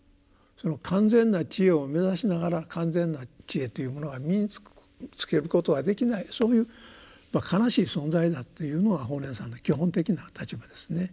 その完全な智慧を目指しながら完全な智慧というものが身につけることはできないそういう悲しい存在だというのが法然さんの基本的な立場ですね。